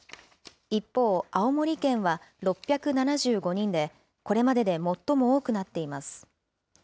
一方、青森県は６７５人で、これまでで最も多くなっています。